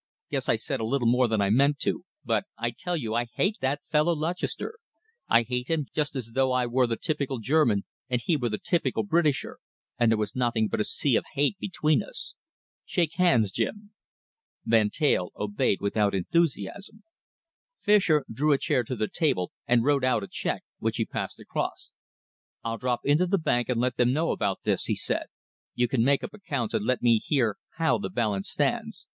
Guess I said a little more than I meant to, but I tell you I hate that fellow Lutchester. I hate him just as though I were the typical German and he were the typical Britisher, and there was nothing but a sea of hate between us. Shake hands, Jim." Van Teyl obeyed without enthusiasm. Fischer drew a chair to the table and wrote out a cheque, which he passed across. "I'll drop into the bank and let them know about this," he said. "You can make up accounts and let me hear how the balance stands.